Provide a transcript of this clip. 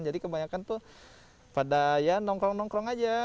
jadi kebanyakan itu pada ya nongkrong nongkrong aja